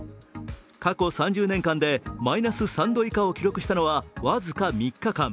過去３０年間でマイナス３度以下を記録したのは僅か３日間。